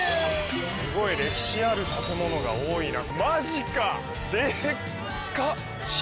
すごい歴史ある建物が多いな。